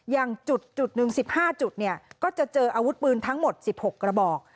อย่างจุดหนึ่ง๑๕จุดเนี่ยก็จะเจออาวุธปืนทั้งหมด๑๖กระบอก